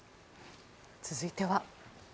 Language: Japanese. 続いては。